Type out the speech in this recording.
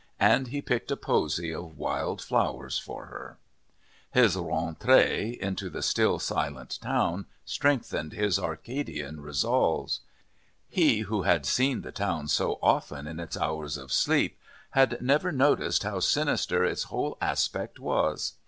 And he picked a posy of wild flowers for her. His rentrée into the still silent town strengthened his Arcadian resolves. He, who had seen the town so often in its hours of sleep, had never noticed how sinister its whole aspect was.